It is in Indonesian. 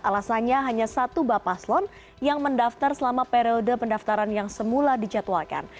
alasannya hanya satu bapak slon yang mendaftar selama periode pendaftaran yang semula dijadwalkan